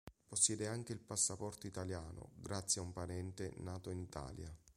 Possiede anche il passaporto italiano grazie a un parente nato in Italia.